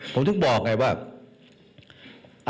ผมถึงบอกไงว่า